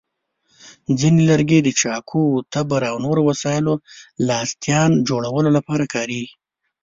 ځینې لرګي د چاقو، تبر، او نورو وسایلو لاستیان جوړولو لپاره کارېږي.